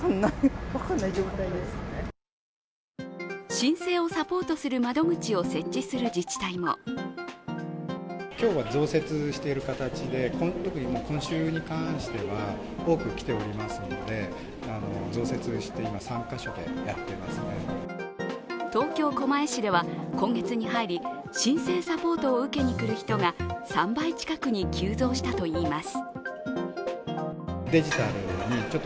申請をサポートする窓口を設置する自治体も東京・狛江市では今月に入り申請サポートを受けに来る人が３倍近くに急増したといいます。